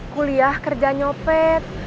kuliah kerja nyopet